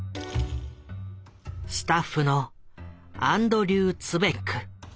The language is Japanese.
スタッフのアンドリュー・ツヴェック。